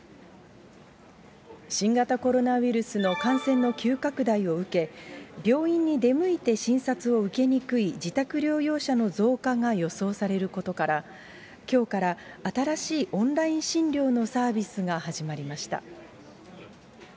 新型コロナウイルスの感染の急拡大を受け、病院に出向いて診察を受けにくい自宅療養者の増加が予想されることから、きょうから新しいオンライン診療のサービスが始まりました。